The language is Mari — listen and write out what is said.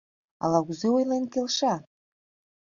Ала-кузе ойлен келша?